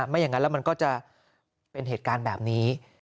ไม่อย่างนั้นแล้วมันก็จะเป็นเหตุการณ์แบบนี้